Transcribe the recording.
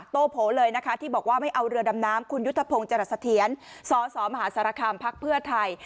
โตโผเลยนะคะที่บอกว่าไม่เอาเรือดำน้ำคุณยุทธพงศ์จรัสเทียนสสมหาสารคามพักเพื่อไทย